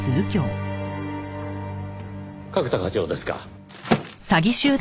角田課長ですか？